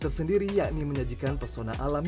tersendiri yakni menyajikan pesona alam